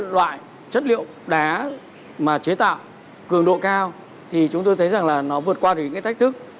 loại chất liệu đá mà chế tạo cường độ cao thì chúng tôi thấy rằng là nó vượt qua được những cái thách thức